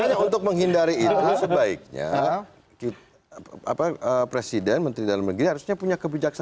makanya untuk menghindari itu sebaiknya presiden menteri dalam negeri harusnya punya kebijaksanaan